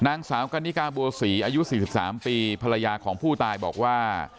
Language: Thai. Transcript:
นางสามกณิกาบัวศรีอายุสี่สิบสามปีภรรยาของผู้ตายบอกว่า